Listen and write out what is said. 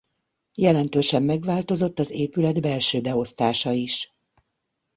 Jelentősen megváltozott az épület belső beosztása is.